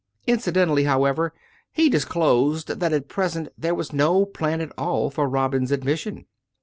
Inci dentally, however, he disclosed that at present there was no plan at all for Robin's admission.